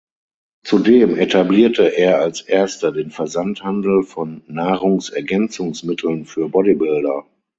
Zudem etablierte er als Erster den Versandhandel von Nahrungsergänzungsmitteln für Bodybuilder.